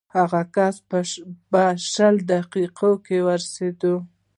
هغه کس به شل دقیقو کې ورسېږي.